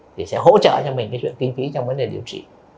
thì sẽ hỗ trợ cho mình cái chuyện kinh phí trong vấn đề điều trị